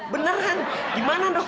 beneran gimana dong